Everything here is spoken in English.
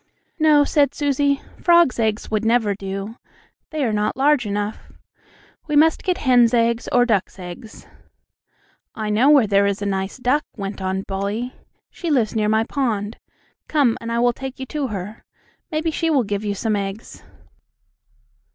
"No," said Susie, "frogs' eggs would never do. They are not large enough. We must get hens' eggs or ducks' eggs." "I know where there is a nice duck," went on Bully. "She lives near my pond. Come, and I will take you to her. Maybe she will give you some eggs."